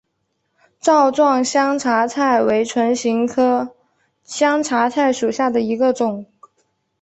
帚状香茶菜为唇形科香茶菜属下的一个种。